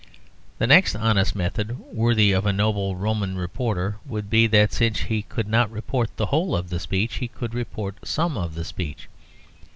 The next honest method, worthy of a noble Roman reporter, would be that since he could not report the whole of the speech, he should report some of the speech.